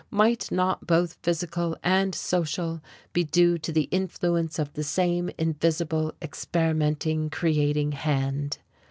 Might not both, physical and social, be due to the influence of the same invisible, experimenting, creating Hand?